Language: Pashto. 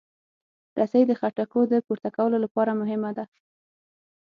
رسۍ د خټکو د پورته کولو لپاره مهمه ده.